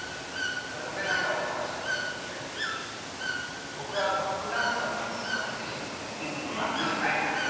前もね何かお話ししたりしてる時に僕はバックダンサーって言い方があんま好きじゃなくてバックじゃないんだと。